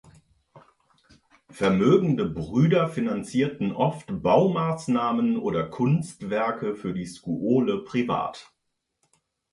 Vermögende Brüder finanzierten oft Baumaßnahmen oder Kunstwerke für die Scuole privat.